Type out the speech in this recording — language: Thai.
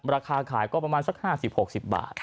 ราคาขายก็ประมาณสัก๕๐๖๐บาท